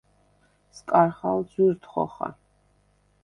სკარხალ ძუ̂ირდ ხოხა.